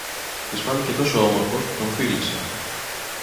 Της φάνηκε τόσο όμορφος, που τον φίλησε.